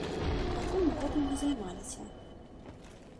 Пакуль мы гэтым не займаліся.